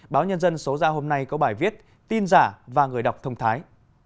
báo nhân dân số ra hôm nay có bài viết tin giả và người đọc thông thái